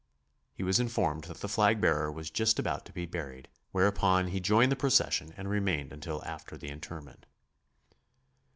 He was informed that the flag bearer was just about to be buried, whereupon he joined the procession and remained until after the interment.